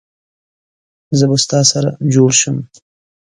زه به ستا سره جوړ سم